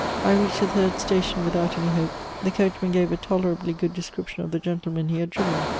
I reached the third station without any hope; the coachman gave a tolerably good description of the gentleman he had driven.